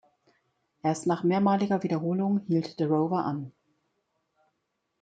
Erst nach mehrmaliger Wiederholung hielt der Rover an.